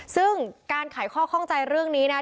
ซึ่งการขายข้อข้องใจเรื่องนี้นะ